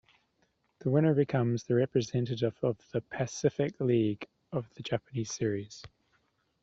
The winner becomes the representative of the Pacific League to the Japan Series.